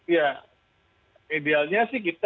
iya idealnya sih kita